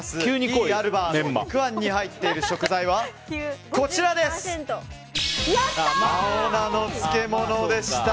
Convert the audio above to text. イーアルバーの肉あんに入っている食材は青菜の漬物でした。